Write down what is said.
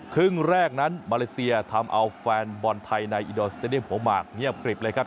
ครึ่งแรกนั้นมาเลเซียทำเอาแฟนบอลไทยในอินดอลสเตดียมหัวหมากเงียบกริบเลยครับ